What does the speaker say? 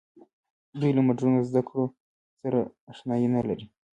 دوی له مډرنو زده کړو سره اشنايي نه لري.